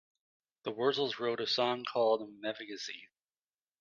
The Wurzels wrote a song called "Mevagissey".